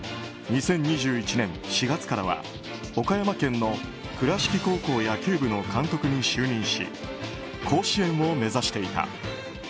２０２１年４月からは岡山県の倉敷高校野球部の監督に就任し甲子園を目指していた。